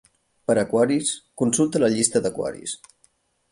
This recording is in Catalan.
Per aquaris, consulta la llista d'aquaris.